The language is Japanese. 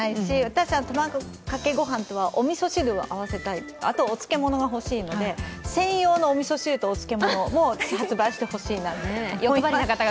私は、卵かけご飯とおみそ汁を合わせたいあとお漬け物が欲しいので、専用のお味噌汁とお漬け物も発売してほしいなと。